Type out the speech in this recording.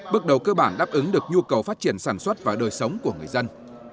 bước đầu cơ bản đáp ứng được nhu cầu phát triển sản xuất và đời sống của người dân